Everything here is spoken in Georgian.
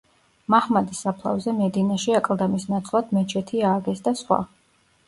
მაჰმადის საფლავზე მედინაში აკლდამის ნაცვლად მეჩეთი ააგეს და სხვა.